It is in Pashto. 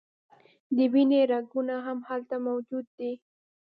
د وینې رګونه هم هلته موجود دي.